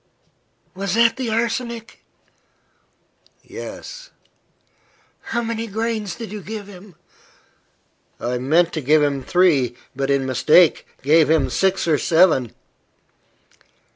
"Was that the arsenic?" "Yes." "How many grains did you give him?" "I meant to give him three, but, in mistake, gave him six or seven."